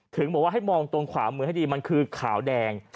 ถึงบอกว่าให้มองตรงขวามือให้ดีมันคือขาวแดง